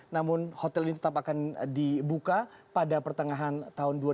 namun hotel ini tetap akan dibuka pada pertengahan tahun dua ribu delapan belas mendatang